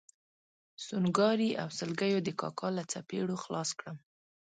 سونګاري او سلګیو د کاکا له څپېړو خلاص کړم.